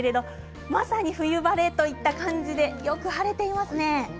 まさに冬晴れといった感じでよく晴れていますね。